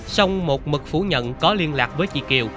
xong một mật phủ nhận có liên lạc với chị kiều